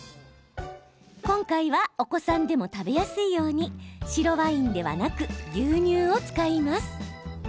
今回はお子さんでも食べやすいように白ワインではなく牛乳を使います。